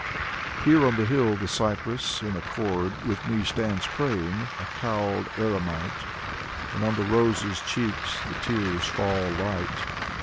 Here on the hill, the cypress, in accord With me, stands praying: a cowled eremite. And on the roses' cheeks the tears fall light.